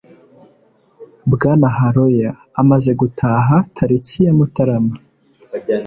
Bwana haroy amaze gutaha tariki ya mutarama